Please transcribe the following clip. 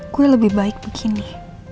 gue lebih baik begini